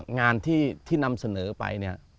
งานที่นำเสนอไปเนี่ย